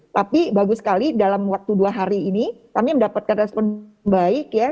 tapi bagus sekali dalam waktu dua hari ini kami mendapatkan respon baik ya